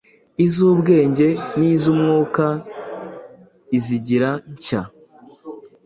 iz’ubwenge n’iz’umwuka izigire nshya.